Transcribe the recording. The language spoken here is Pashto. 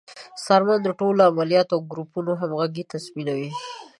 څارمن د ټولو عملیاتو او ګروپونو همغږي تضمینوي.